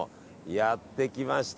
やってきました。